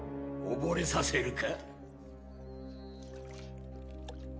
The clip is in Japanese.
溺れさせるか？